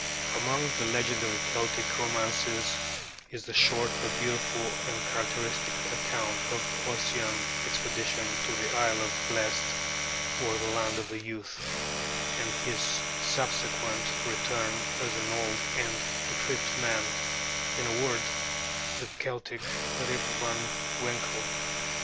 Among the legendary Celtic romances is the short but beautiful and characteristic account of Ossian's expedition to the Isle of the Blest or the Land of Youth, and his subsequent return as an old and decrepit man in a word, the Celtic Rip Van Winkle.